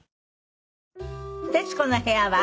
『徹子の部屋』は